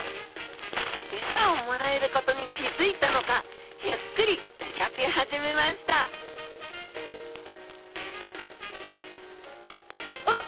餌をもらえることに気付いたのかゆっくり動き始めましたあっ！